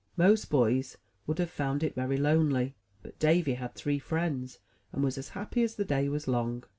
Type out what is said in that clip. Most boys would have found it very lonely; but Davy had three friends, and was as happy as the day was long.